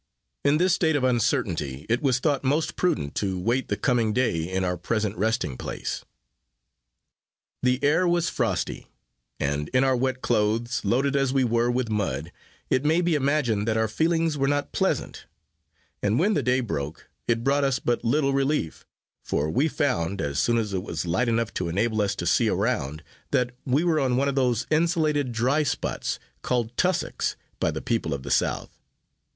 In this state of uncertainty, it was thought most prudent to wait the coming of day, in our present resting place. The air was frosty, and in our wet clothes, loaded as we were with mud, it may be imagined that our feelings were not pleasant; and when the day broke, it brought us but little relief, for we found, as soon as it was light enough to enable us to see around, that we were on one of those insulated dry spots, called "tussocks" by the people of the South.